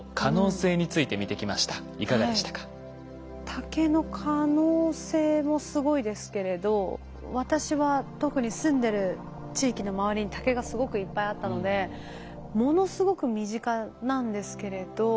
竹の可能性もすごいですけれど私は特に住んでる地域の周りに竹がすごくいっぱいあったのでものすごく身近なんですけれど。